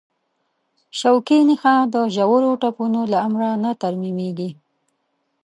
شوکي نخاع د ژورو ټپونو له امله نه ترمیمېږي.